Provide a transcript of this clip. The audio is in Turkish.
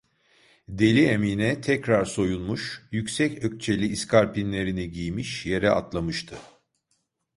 Deli Emine tekrar soyunmuş, yüksek ökçeli iskarpinlerini giymiş, yere atlamıştı.